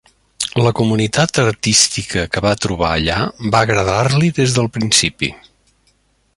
La comunitat artística que va trobar allà va agradar-li des del principi.